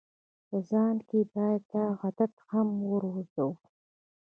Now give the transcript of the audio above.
په ځان کې باید دا عادت هم وروزو.